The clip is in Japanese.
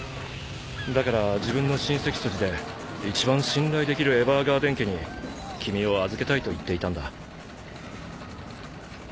だから自分の親戚筋で一番信頼できるエヴァーガーデン家に君を預けたいと言っていたんだ。